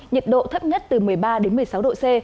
nhiệt độ thấp nhất từ một mươi ba đến một mươi sáu độ c